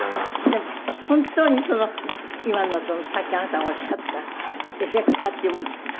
でも本当にその今のさっきあなたがおっしゃったエフェクターっていうものですね。